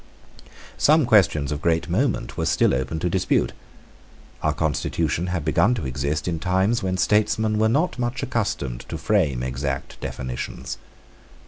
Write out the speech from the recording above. Some questions of great moment were still open to dispute. Our constitution had begun to exist in times when statesmen were not much accustomed to frame exact definitions.